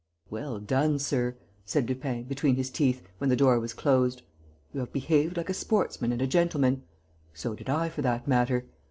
"Well done, sir," said Lupin, between his teeth, when the door was closed. "You have behaved like a sportsman and a gentleman.... So did I, for that matter